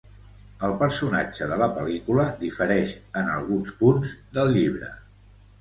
El personatge de la pel·lícula difereix en alguns punts del llibre.